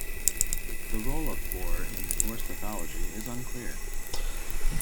The role of Borr in Norse mythology is unclear.